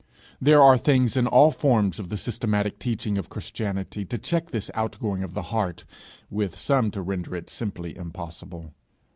There are things in all forms of the systematic teaching of Christianity to check this outgoing of the heart with some to render it simply impossible.